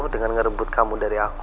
dengan ngerebut kamu dari aku